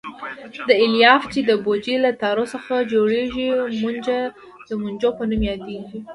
دا الیاف چې د بوجۍ له تارو څخه جوړېږي مونجو په نوم یادیږي.